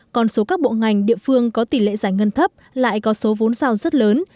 còn số các bộ ngành địa phương có tỷ lệ giải ngân thấp lại có số vốn giao rất lớn